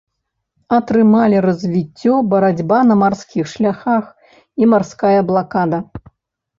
Атрымалі развіццё барацьба на марскіх шляхах і марская блакада.